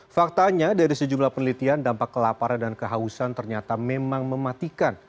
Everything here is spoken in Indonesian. faktanya dari sejumlah penelitian dampak kelaparan dan kehausan ternyata memang mematikan